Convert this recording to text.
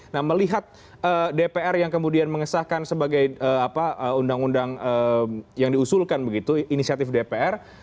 nah melihat dpr yang kemudian mengesahkan sebagai undang undang yang diusulkan begitu inisiatif dpr